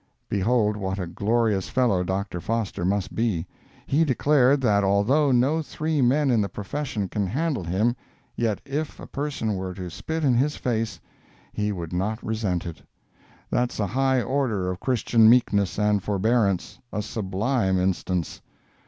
Behold what a glorious fellow Dr. Foster must be; he declared that although no three men in the profession can handle him, yet if a person were to spit in his face he would not resent it. That's a high order of Christian meekness and forbearance—a sublime instance.